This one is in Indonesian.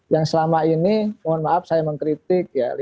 yang selama ini mohon maaf saya mengkritik ya